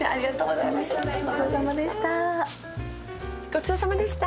ごちそうさまでした。